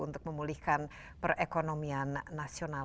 untuk memulihkan perekonomian nasional